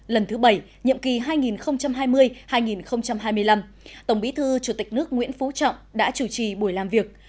lần thứ bảy nhiệm kỳ hai nghìn hai mươi hai nghìn hai mươi năm tổng bí thư chủ tịch nước nguyễn phú trọng đã chủ trì buổi làm việc